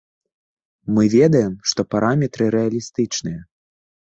Мы ведаем, што параметры рэалістычныя.